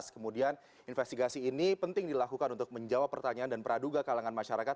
kemudian investigasi ini penting dilakukan untuk menjawab pertanyaan dan peraduga kalangan masyarakat